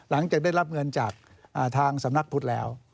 หลังจากได้รับเงินจากทางสำนักพุทธแล้ว